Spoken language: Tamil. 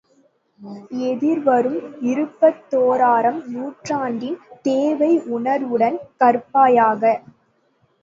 எதிர் வரும் இருபத்தோராம் நூற்றாண்டின் தேவை உணர்வுடன் கற்பாயாக!